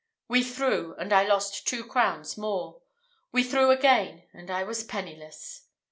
We threw, and I lost two crowns more. We threw again, and I was penniless.